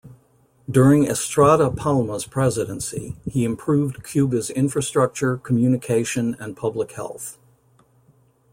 During Estrada Palma's presidency, he improved Cuba's infrastructure, communication, and public health.